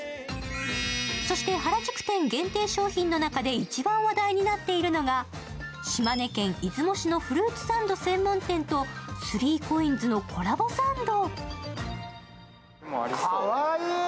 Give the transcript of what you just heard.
そして原宿店限定商品の中で一番話題になっているのが、島根県出雲市のフルーツサンド専門店と３ＣＯＩＮＳのコラボサンド。